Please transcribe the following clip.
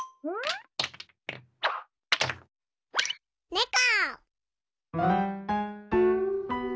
ねこ！